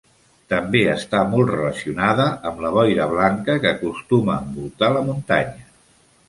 També està molt relacionada amb la boira blanca que acostuma a envoltar la muntanya.